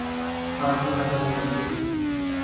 آپ نے حق ادا کر دیا